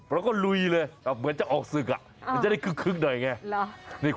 แล้วก็ลุยเลยเหมือนจะออกศึกมันจะได้คึกหน่อยไง